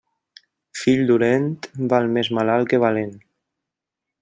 Fill dolent, val més malalt que valent.